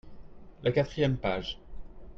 la quatrième page.